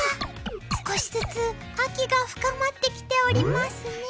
少しずつ秋が深まってきておりますね。